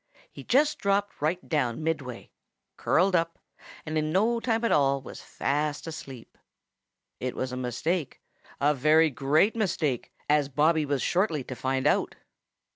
He just dropped right down midway, curled up, and in no time at all was fast asleep. It was a mistake, a very great mistake, as Bobby was shortly to find out.